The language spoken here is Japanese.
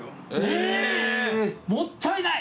ええ！もったいない！